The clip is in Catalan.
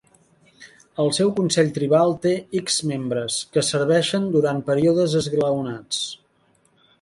El seu consell tribal té x membres, que serveixen durant períodes esglaonats.